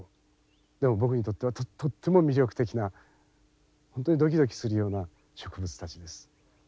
でも僕にとってはとっても魅力的な本当にドキドキするような植物たちです。